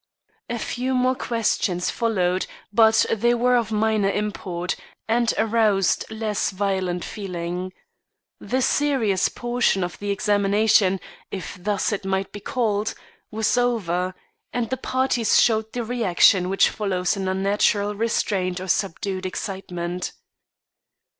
A few more questions followed, but they were of minor import, and aroused less violent feeling. The serious portion of the examination, if thus it might be called, was over, and all parties showed the reaction which follows all unnatural restraint or subdued excitement.